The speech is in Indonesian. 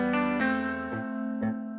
gak ada yang peduli